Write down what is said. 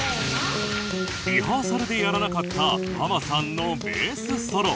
リハーサルでやらなかったハマさんのベースソロ